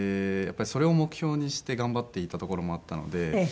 やっぱりそれを目標にして頑張っていたところもあったので。